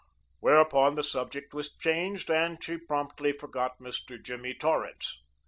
Whereupon the subject was changed, and she promptly forgot Mr. Jimmy Torrance.